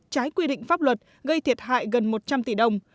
trái quy định pháp luật gây thiệt hại gần một trăm linh tỷ đồng